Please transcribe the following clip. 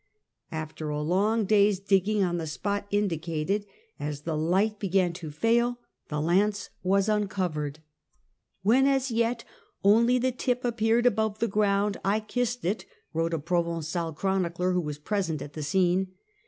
After a long day's digging on the spot indicated, as the light began to fail, the Lance was uncovered. " When as yet only the tip appeared above the ground, I kissed it," wrote a Provencal chronicler who was present at the scene.